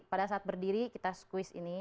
pada saat berdiri kita squis ini